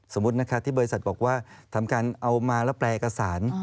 สมมุติที่บริษัทบอกว่าทำการเอามาแล้วแปลอักษร